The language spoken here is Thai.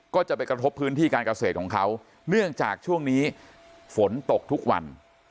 ก็จะไปกระทบพื้นที่การเกษตรของเขาเนื่องจากช่วงนี้ฝนตกทุกวัน